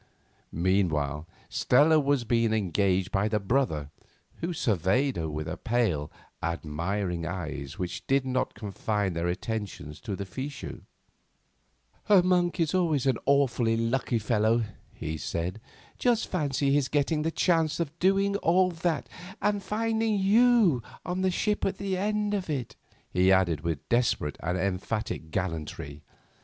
Meanwhile, Stella was being engaged by the brother, who surveyed her with pale, admiring eyes which did not confine their attentions to the fichu. "Monk is always an awfully lucky fellow," he said. "Just fancy his getting the chance of doing all that, and finding you waiting on the ship at the end of it," he added, with desperate and emphatic gallantry.